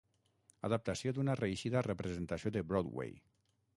Adaptació d'una reeixida representació de Broadway.